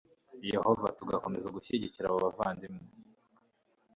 yehova, tugakomeza gushyigikira abo bavandimwe